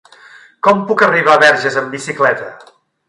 Com puc arribar a Verges amb bicicleta?